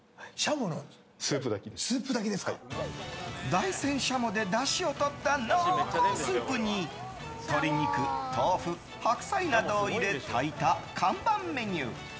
大山軍鶏でだしをとった濃厚スープに鶏肉、豆腐白菜などを入れ炊いた看板メニュー。